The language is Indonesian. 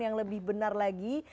yang lebih benar lagi